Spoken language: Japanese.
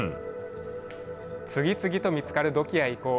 次々と見つかる土器や遺構。